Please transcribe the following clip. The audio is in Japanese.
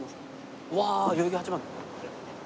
うわあ代々木八幡。